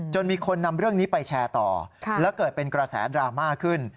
มีคนนำเรื่องนี้ไปแชร์ต่อและเกิดเป็นกระแสดราม่าขึ้น